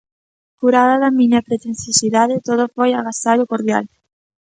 Curada da miña pretenciosidade, todo foi agasallo cordial.